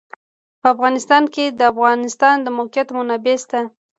په افغانستان کې د د افغانستان د موقعیت منابع شته.